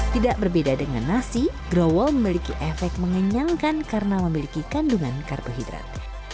tidak berbeda dengan nasi growol memiliki efek mengenyangkan karena memiliki kandungan karbohidrat